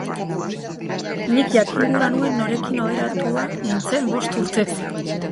Nik jakin gura nuen norekin oheratua nintzen bost urtez.